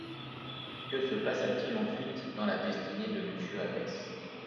Que se passa-t-il ensuite dans la destinée de M Abbesse